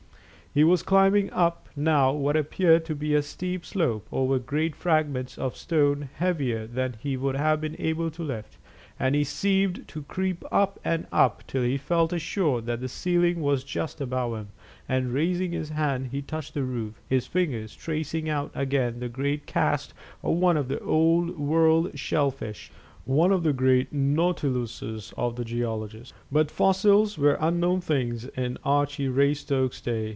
He was climbing up now what appeared to be a steep slope, over great fragments of stone heavier than he would have been able to lift, and he seemed to creep up and up till he felt assured that the ceiling was just above him, and raising his hand he touched the roof, his fingers tracing out again the great cast of one of the old world shell fish one of the great nautiluses of the geologist. But fossils were unknown things in Archy Raystoke's day.